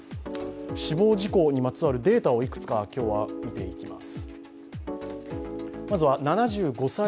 死亡事故にまつわるデータを今日はいくつか見ていきます。